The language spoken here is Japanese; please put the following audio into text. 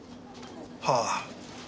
はあ。